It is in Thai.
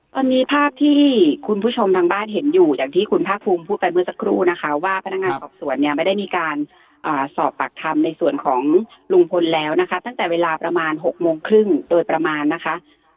ตอนนี้ภาพที่คุณผู้ชมทางบ้านเห็นอยู่อย่างที่คุณภาคภูมิพูดไปเมื่อสักครู่นะคะว่าพนักงานสอบสวนเนี่ยไม่ได้มีการสอบปากคำในส่วนของลุงพลแล้วนะคะตั้งแต่เวลาประมาณ๖โมงครึ่งโดยประมาณนะคะ